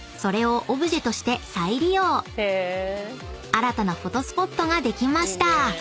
［新たなフォトスポットができました］